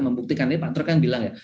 membuktikan tadi pak troy kan bilang ya